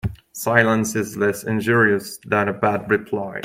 Silence is less injurious than a bad reply.